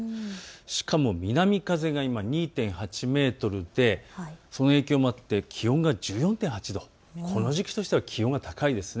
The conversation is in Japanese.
しかも南風が今、２．８メートルで、その影響もあって気温が１４．８度、この時期としては気温が高いです。